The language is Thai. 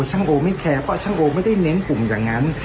ช่างโอไม่แคร์เพราะช่างโอไม่ได้เน้นกลุ่มอย่างนั้น